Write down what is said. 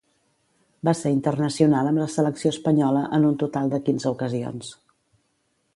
Va ser internacional amb la selecció espanyola en un total de quinze ocasions.